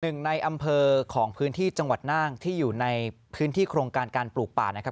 หนึ่งในอำเภอของพื้นที่จังหวัดน่านที่อยู่ในพื้นที่โครงการการปลูกป่านะครับ